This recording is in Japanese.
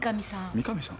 三神さん？